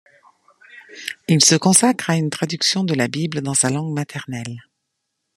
Il se consacre à une traduction de la Bible dans sa langue maternelle.